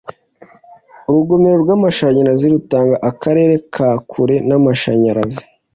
urugomero rw'amashanyarazi rutanga akarere ka kure n'amashanyarazi